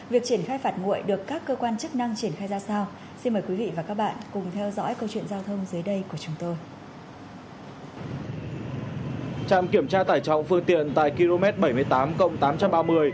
việc triển khai phạt nguội được các cơ quan chức năng triển khai ra sao